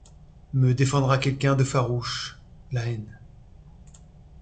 Me défendra, quelqu'un de farouche, la haine.